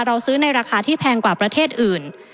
เราซื้อในราคาที่แพงกว่าประเทศอื่น